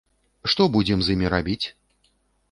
Што будзем з імі рабіць?